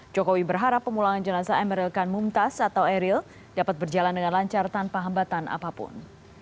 jokowi berharap pemulangan jenazah emeril kan mumtaz atau eril dapat berjalan dengan lancar tanpa hambatan apapun